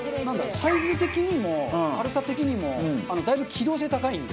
サイズ的にも軽さ的にもだいぶ機動性高いんで。